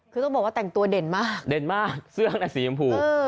คือต้องบอกว่าแต่งตัวเด่นมากเด่นมากเสื้อสีชมพู